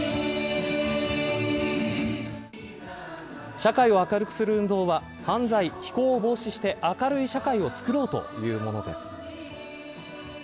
社会を明るくする運動は犯罪、非行を防止して明るい社会をつくろうというものです。